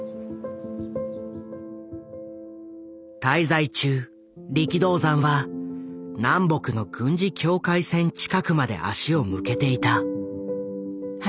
滞在中力道山は南北の軍事境界線近くまで足を向けていた。